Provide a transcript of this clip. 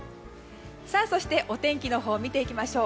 そして、お天気のほう見ていきましょう。